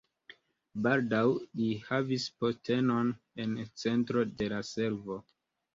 Baldaŭ li havis postenon en centro de la servo.